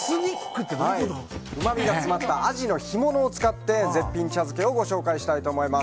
うまみが詰まったアジの干物を使って絶品茶漬けをご紹介します。